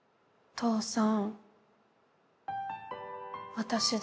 父さん？